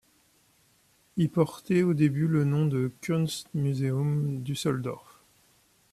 Il portait au début le nom de Kunstmuseum Düsseldorf.